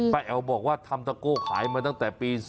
แอ๋วบอกว่าทำตะโก้ขายมาตั้งแต่ปี๒๕